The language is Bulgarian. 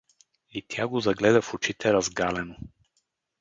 И тя го загледа в очите разгалено.